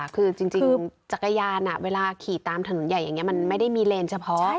คือจริงจักรยานเวลาขี่ตามถนนใหญ่อย่างนี้มันไม่ได้มีเลนเฉพาะ